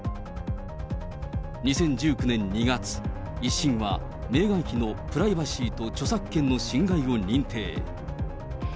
２０１９年２月、１審はメーガン妃のプライバシーと著作権の侵害を認定。